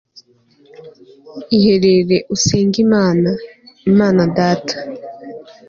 iherere usenge imana (imana data)